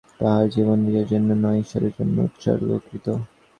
তাঁহার জীবন নিজের জন্য নয়, ঈশ্বরের জন্য উৎসর্গীকৃত।